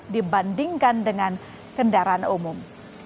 dibandingkan dengan kendaraan umum